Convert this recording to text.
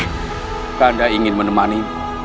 kakanda ingin menemani